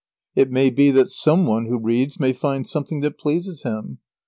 ] It may be that some one who reads may find something that pleases him.